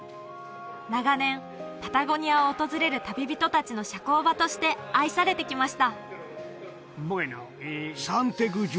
長年パタゴニアを訪れる旅人達の社交場として愛されてきました